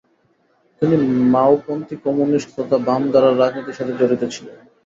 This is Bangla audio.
তিনি মাওপন্থী কম্যুনিস্ট তথা বামধারার রাজনীতির সাথে জড়িত ছিলেন।